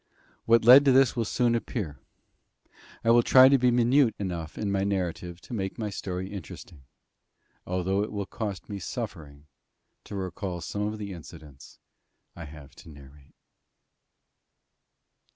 What led to this will soon appear. I will try to be minute enough in my narrative to make my story interesting, although it will cost me suffering to recall some of the incidents I have to narrate.